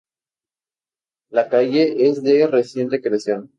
La calle es de reciente creación.